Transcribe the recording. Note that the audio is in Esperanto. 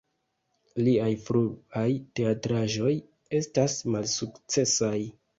Liaj fruaj teatraĵoj estas malsukcesaj.